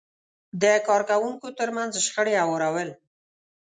د کار کوونکو ترمنځ شخړې هوارول،